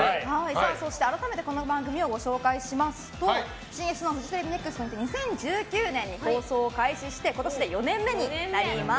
そして改めてこの番組をご紹介しますとＣＳのフジテレビＮＥＸＴにて２０１９年に放送を開始して今年で４年目になります。